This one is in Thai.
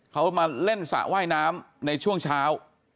เขามาเล่นสระว่ายน้ำในช่วงเช้า